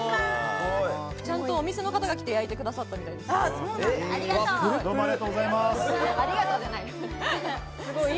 ちゃんとお店の方が来て焼いてくださったみたいですよ。